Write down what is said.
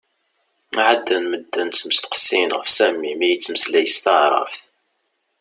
ɛaden medden ttmesteqsin ɣef Sami mi yettmeslay s taεrabt.